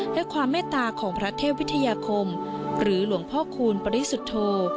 และความเมตตาของพระเทพวิทยาคมหรือหลวงพ่อคูณปริสุทธโธ